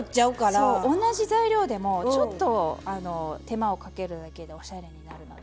そう同じ材料でもちょっと手間をかけるだけでおしゃれになるので。